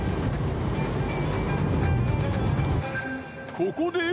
ここで。